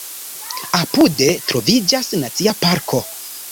Apude troviĝas Nacia parko.